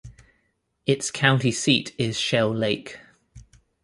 Its county seat is Shell Lake.